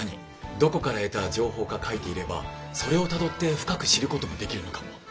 どこから得た情報か書いていればそれをたどって深く知ることもできるのかも。